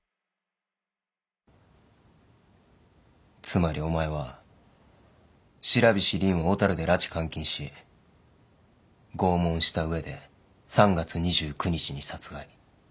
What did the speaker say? つまりお前は白菱凜を小樽で拉致監禁し拷問した上で３月２９日に殺害。